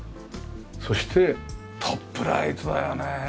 そしてトップライトだよね。